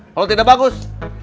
kalo tidak bagus